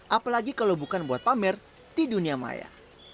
apalagi kalau bukan buat pamer di dunia maya